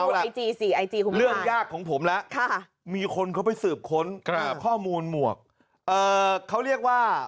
แล้วค่ะมีคนเขาไปสืบค้นครับข้อมูลหมวกเอ่อเขาเรียกว่า